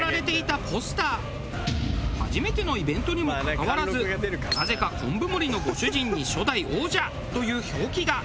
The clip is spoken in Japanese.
初めてのイベントにもかかわらずなぜか昆布森のご主人に「初代王者」という表記が。